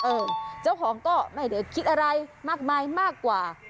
เจ้าของก็ไม่ได้คิดอะไรมากมายมากกว่า